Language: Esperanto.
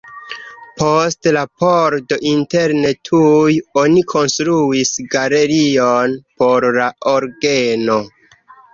Post la pordo interne tuj oni konstruis galerion por la orgeno.